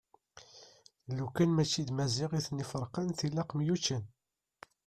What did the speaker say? Lukan mačči d Maziɣ iten-iferqen tilaq myuččen.